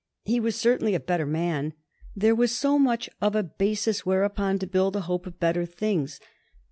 He was certainly a better man. There was so much of a basis whereupon to build a hope of better things.